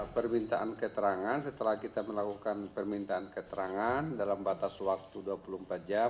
permintaan keterangan setelah kita melakukan permintaan keterangan dalam batas waktu dua puluh empat jam